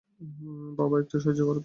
বাবা, একটু সাহায্য করো, প্লিজ?